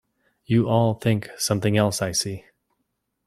You all think something else, I see.